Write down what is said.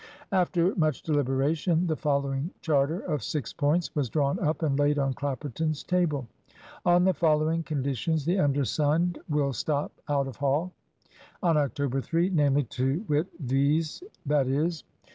After much deliberation, the following charter of six points was drawn up and laid on Clapperton's table. "On the following conditions the undersigned will stop out of Hall on October 3, namely, to wit, viz., i.e.